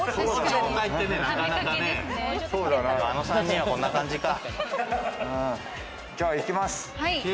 あの３人は、こんな感じか。